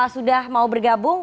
sudah mau bergabung